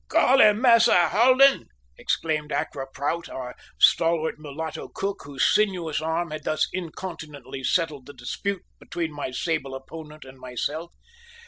"Golly, Mass' Hald'n," exclaimed Accra Prout, our stalwart mulatto cook, whose sinuous arm had thus incontinently settled the dispute between my sable opponent and myself.